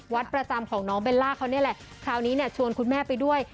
วัดประจำของน้องเบลล่าเขานี่แหละคราวนี้เนี่ยชวนคุณแม่ไปด้วย